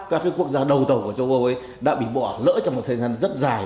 các quốc gia đầu tàu của châu âu ấy đã bị bỏ lỡ trong một thời gian rất dài